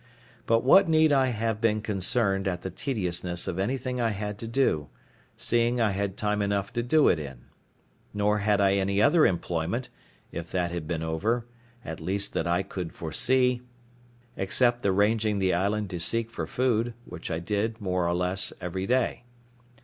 But what need I have been concerned at the tediousness of anything I had to do, seeing I had time enough to do it in? nor had I any other employment, if that had been over, at least that I could foresee, except the ranging the island to seek for food, which I did, more or less, every day.